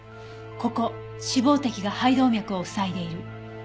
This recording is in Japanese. ここ脂肪滴が肺動脈を塞いでいる。